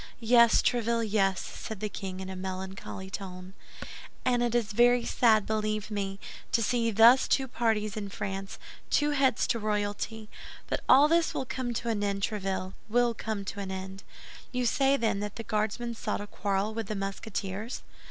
"Yes, Tréville, yes," said the king, in a melancholy tone; "and it is very sad, believe me, to see thus two parties in France, two heads to royalty. But all this will come to an end, Tréville, will come to an end. You say, then, that the Guardsmen sought a quarrel with the Musketeers?"